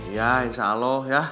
iya insya allah ya